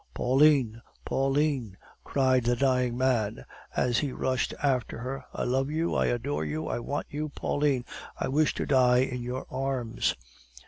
"Pauline! Pauline!" cried the dying man, as he rushed after her; "I love you, I adore you, I want you, Pauline! I wish to die in your arms!"